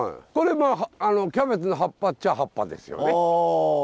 これもキャベツの葉っぱっちゃ葉っぱですよね。